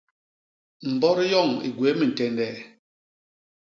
Mbot yoñ i gwéé mintende.